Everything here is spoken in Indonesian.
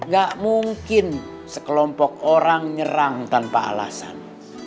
gak mungkin sekelompok orang nyerang tanpa alasan